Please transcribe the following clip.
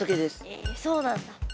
えそうなんだ。